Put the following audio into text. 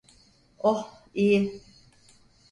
Oh, iyi.